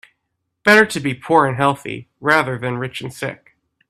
Better to be poor and healthy rather than rich and sick.